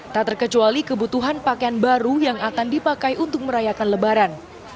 tak terkecuali kebutuhan pakaian baru yang akan dipakai untuk merayakan lebaran